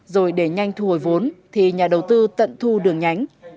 rồi để nhanh thu hồi vốn thì nhà đầu tư tận thu đường nhánh